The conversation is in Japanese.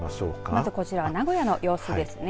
まずこちらは名古屋の様子ですね。